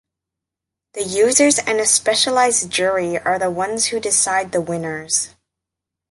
The users and a specialized jury are the ones who decide the winners.